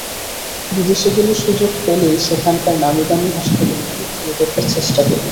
বিদেশে গেলে সুযোগ পেলেই সেখানকার নামীদামি হাসপাতালগুলো ঘুরে দেখার চেষ্টা করি।